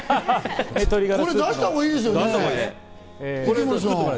これ池森さん、出したほうがいいですよ。